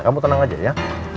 kamu tenang aja ya